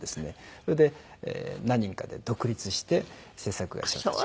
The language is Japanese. それで何人かで独立して制作会社を。